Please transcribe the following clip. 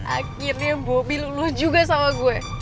akhirnya bobby luluh juga sama gue